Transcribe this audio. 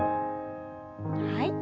はい。